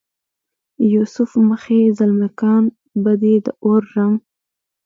یوسف مخې زلمکیان به دې د اور رنګ،